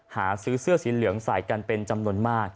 หาซื้อเสื้อสีเหลืองใส่กันเป็นจำนวนมาก